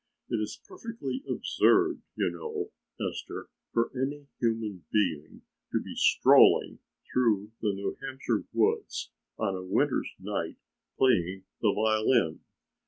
"It is perfectly absurd you know, Esther, for any human being to be strolling through the New Hampshire woods on a winter's night playing the violin.